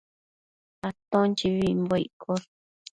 Aton chibibimbuec iccosh